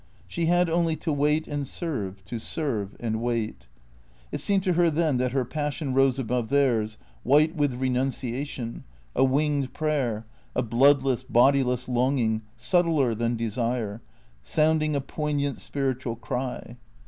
She had only to wait and serve ; to serve and wait. It seemed to her then that her passion rose above theirs, white with renunciation, a winged prayer, a bloodless, bodiless longing, subtler than desire. Bounding a poignant spiritual cry.